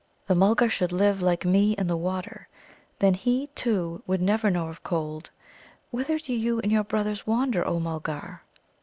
"The Mulgar should live, like me, in the water, then he, too, would never know of cold. Whither do you and your brothers wander, O Mulgar?"